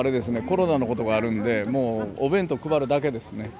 コロナのことがあるんでもうお弁当配るだけですね。